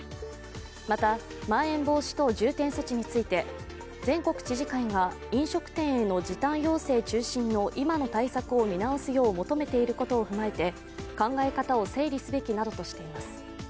また、まん延防止等重点措置について、全国知事会が飲食店への時短要請中心の今の対策を見直すよう求めていることを踏まえて、考え方を整理すべきなどとしています。